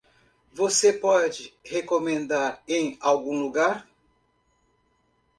Você pode recomendar em algum lugar?